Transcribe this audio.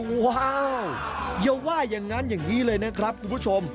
ว้าวอย่าว่าอย่างนั้นอย่างนี้เลยนะครับคุณผู้ชม